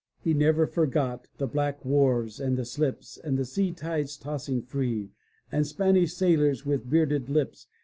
He never forgot '*the black wharves and the slips. And the sea tides tossing free, And Spanish sailors with bearded lips.